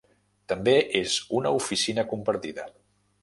També és una oficina compartida.